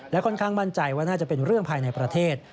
ค่อนข้างมั่นใจว่าน่าจะเป็นเรื่องภายในประเทศ